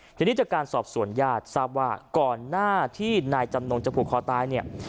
ทีนี้จากการสอบสวนญาติทราบว่าก่อนหน้าที่นายจำนงจะผูกคอตายเนี่ย